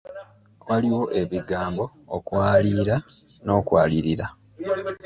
Waliwo ebigambo okwaliira n'okwalirira.